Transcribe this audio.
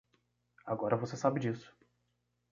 Agora você sabe disso.